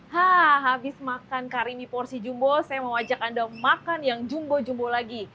hah habis makan karimi porsi jumbo saya mau ajak anda makan yang jumbo jumbo lagi